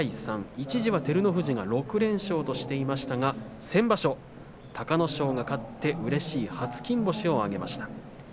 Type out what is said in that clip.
一時は照ノ富士が６連勝としていましたが先場所、隆の勝が勝ってうれしい初金星を挙げました。